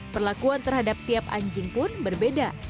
perlakuan terhadap tiap anjing pun berbeda